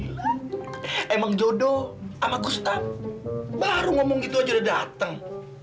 non lila emang jodoh sama gustaf baru ngomong gitu aja udah dateng